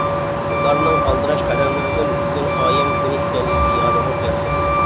ئۇلارنىڭ ئالدىراش قەدەملىرىدىن بۈگۈن ئايەم كۈنى ئىكەنلىكى يادىمغا كەلدى.